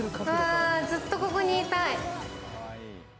ずっとここにいたい。